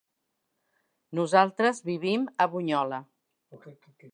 Nosaltres vivim a Bunyola.